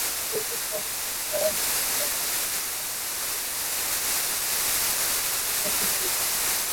বৈজ্ঞানিক গবেষণার জন্য রয়েল সোসাইটির পক্ষ থেকে উনি রোজালিন্ড ফ্রাঙ্কলিন পুরস্কারে সন্মানিত হয়েছেন।